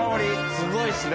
すごいっすね。